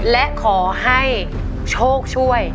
และขอให้โชคช่วย